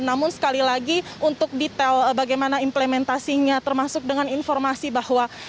namun sekali lagi untuk detail bagaimana implementasinya termasuk dengan informasi bahwa